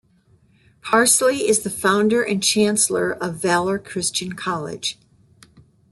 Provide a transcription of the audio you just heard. Parsley is the founder and chancellor of Valor Christian College.